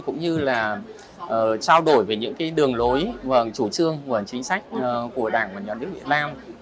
cũng như là trao đổi về những đường lối chủ trương chính sách của đảng và nhà nước việt nam